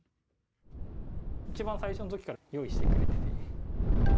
一番最初のときから用意してくれてて。